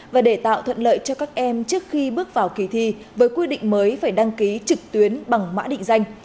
và để tạo thuận lợi cho các em trước khi bước vào kỳ thi với quy định mới phải đăng ký trực tuyến bằng mã định danh